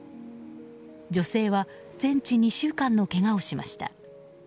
女性は、全治２週間のけがをしました。